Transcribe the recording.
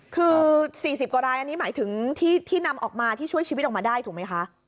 คือ๔๐กว่ารายอันนี้หมายถึงที่นำออกมาที่ช่วยชีวิตออกมาได้ถูกไหมคะ